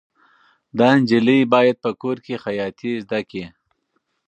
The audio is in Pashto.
دا نجلۍ باید په کور کې خیاطي زده کړي.